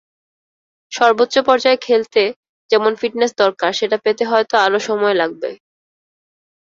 সর্বোচ্চ পর্যায়ে খেলতে যেমন ফিটনেস দরকার সেটা পেতে হয়তো আরও সময় লাগবে।